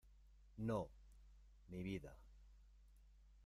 no, mi vida.